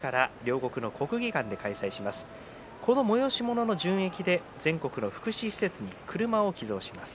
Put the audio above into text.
この催し物の純益で全国の福祉施設に車を寄贈します。